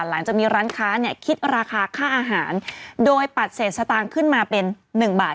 หลังจากมีร้านค้าเนี่ยคิดราคาค่าอาหารโดยปัดเศษสตางค์ขึ้นมาเป็น๑บาท